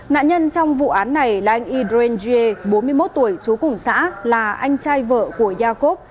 nạn nhân trong vụ án này là anh idren gie bốn mươi một tuổi trú cùng xã là anh trai vợ của jacob